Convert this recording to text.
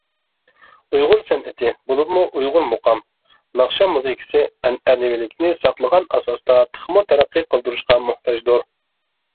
ئۇيغۇر سەنئىتى بولۇپمۇ ئۇيغۇر مۇقام، ناخشا-مۇزىكىسى ئەنئەنىۋىلىكىنى ساقلىغان ئاساستا تېخىمۇ تەرەققىي قىلدۇرۇشقا موھتاجدۇر.